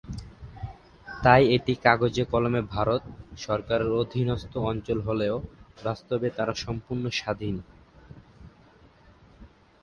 তাই এটি কাগজে-কলমে ভারত সরকারের অধীনস্থ অঞ্চল হলেও, বাস্তবে তারা সম্পূর্ণ স্বাধীন।